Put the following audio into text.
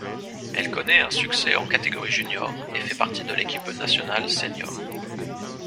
Elle connait un succès en catégorie junior et fait partie de l'équipe nationale seniors.